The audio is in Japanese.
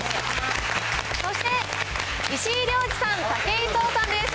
そして石井亮次さん、武井壮さんです。